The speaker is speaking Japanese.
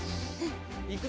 いくぞ。